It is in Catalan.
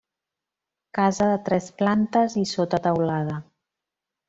Casa de tres plantes i sota teulada.